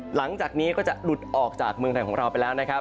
หลังจากนี้ก็จะหลุดออกจากเมืองไทยของเราไปแล้วนะครับ